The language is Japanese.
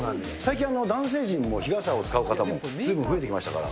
男性陣も日傘を使う方もずいぶん増えてきましたから。